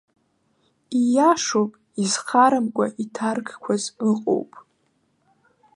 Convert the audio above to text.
Иашоуп, изхарамкәа иҭаркқәаз ыҟоуп.